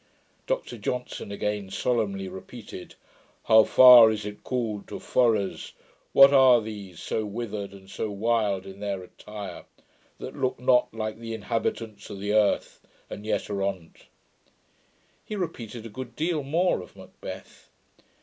Dr Johnson again solemnly repeated '"How far is't called to Fores? What are these, So wither'd, and so wild in their attire That look not like the inhabitants o' the earth. And yet are on't "' He repeated a good deal more of Macbeth.